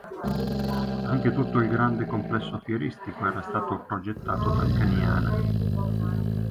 Anche tutto il grande complesso fieristico era stato progettato dal Caniana.